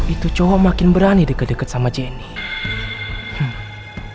itu cowok makin berani deket deket sama jennie